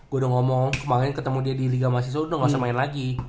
gue udah ngomong kemarin ketemu dia di liga mahasiswa udah gak usah main lagi